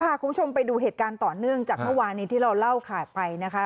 พาคุณผู้ชมไปดูเหตุการณ์ต่อเนื่องจากเมื่อวานี้ที่เราเล่าขาดไปนะคะ